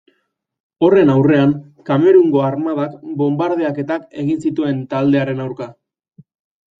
Horren aurrean, Kamerungo armadak bonbardaketak egin zituen taldearen aurka.